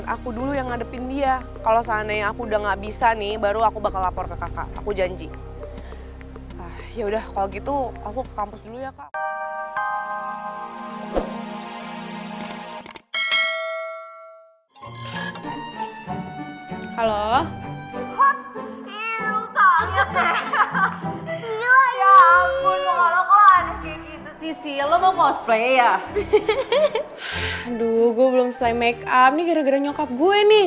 aduh gue belum selesai make up nih gara gara nyokap gue nih